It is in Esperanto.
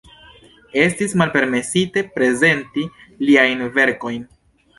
Estis malpermesite prezenti liajn verkojn.